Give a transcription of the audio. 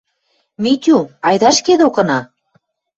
— Митю, айда ӹшке докына...